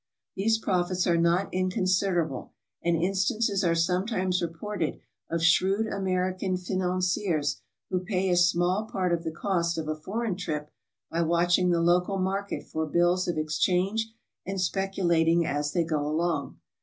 These profits are not inconsiderable, and instances are sometimes reported of shrewd American finan ciers who pay a small part of the cost of a foreign trip by watching the local market for bills of exchange and specu lating as they go along.